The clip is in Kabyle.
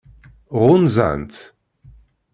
Ɣunzan-tt?